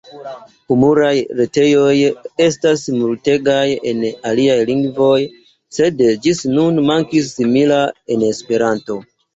Humuraj retejoj estas multegaj en aliaj lingvoj, sed ĝis nun mankis simila en Esperanto.